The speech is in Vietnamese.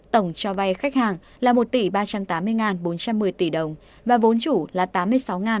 tổng cho vai khách hàng là một ba trăm tám mươi bốn trăm một mươi tỷ đồng và vốn chủ là tám mươi sáu ba trăm sáu mươi sáu tỷ đồng